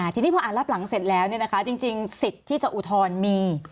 ทีนี้พออ่านรับหลังเสร็จแล้วเนี่ยนะคะจริงสิทธิ์ที่จะอุทรมี